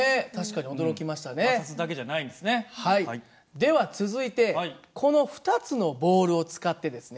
では続いてこの２つのボールを使ってですね